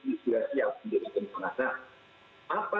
tidak bisa diperhatikan